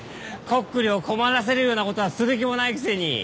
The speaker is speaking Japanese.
コックリを困らせるようなことはする気もないくせに。